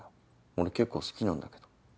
俺結構好きなんだけど。